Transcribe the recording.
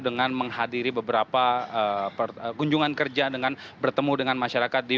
dengan menghadiri beberapa kunjungan kerja dengan bertemu dengan masyarakat di